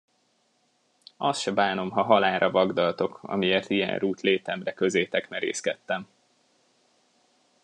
Azt se bánom, ha halálra vagdaltok, amiért ilyen rút létemre közétek merészkedtem!